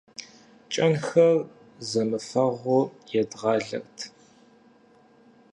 КӀэнхэр зэмыфэгъуу едгъалэрт.